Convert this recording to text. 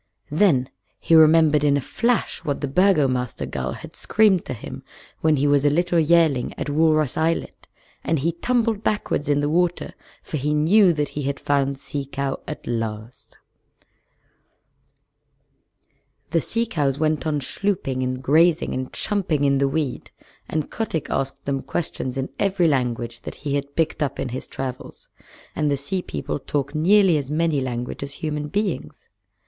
Then he remembered in a flash what the Burgomaster gull had screamed to him when he was a little yearling at Walrus Islet, and he tumbled backward in the water, for he knew that he had found Sea Cow at last. The sea cows went on schlooping and grazing and chumping in the weed, and Kotick asked them questions in every language that he had picked up in his travels; and the Sea People talk nearly as many languages as human beings.